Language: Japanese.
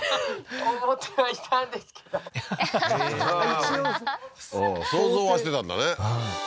一応想像はしてたんだね